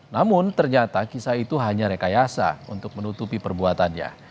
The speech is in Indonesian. namun ternyata kisah itu hanya rekayasa untuk menutupi perbuatannya